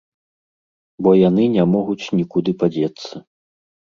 Бо яны не могуць нікуды падзецца.